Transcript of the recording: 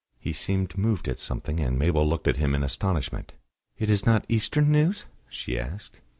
He seemed moved at something, and Mabel looked at him in astonishment. "It is not Eastern news?" she asked.